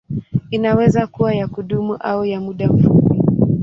Inaweza kuwa ya kudumu au ya muda mfupi.